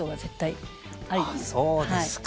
あそうですか。